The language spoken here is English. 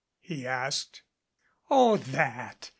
he asked. "Oh, that